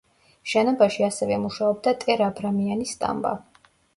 შენობაში ასევე მუშაობდა ტერ-აბრამიანის სტამბა.